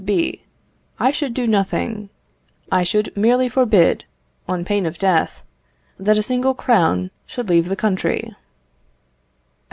B. I should do nothing: I should merely forbid, on pain of death, that a single crown should leave the country.